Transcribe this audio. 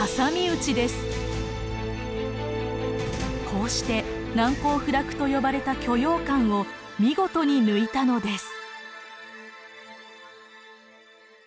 こうして難攻不落と呼ばれた居庸関を見事に抜いたのです。